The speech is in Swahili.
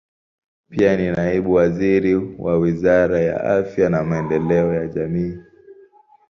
Pia ni naibu waziri wa Wizara ya Afya na Maendeleo ya Jamii.